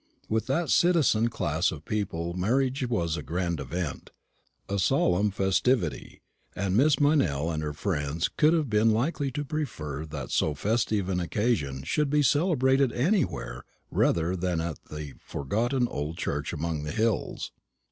With that citizen class of people marriage was a grand event, a solemn festivity; and Miss Meynell and her friends would have been likely to prefer that so festive an occasion should be celebrated anywhere rather than at that forgotten old church among the hills.